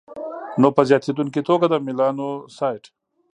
نو په زیاتېدونکي توګه د میلانوسایټ